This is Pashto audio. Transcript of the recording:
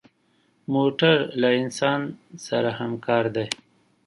موټر له انسان سره همکار دی.